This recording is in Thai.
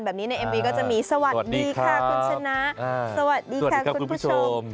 สวัสดีค่ะคุณชนะสวัสดีค่ะคุณผู้ชม